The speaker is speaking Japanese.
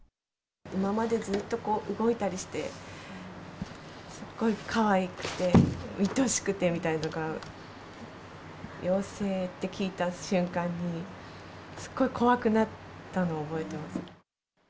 今までずっと動いたりして、すっごいかわいくて、いとしくてみたいなのが、陽性って聞いた瞬間に、すっごい怖くなったのを覚えています。